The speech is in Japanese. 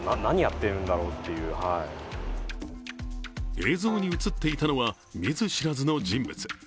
映像に映っていたのは見ず知らずの人物。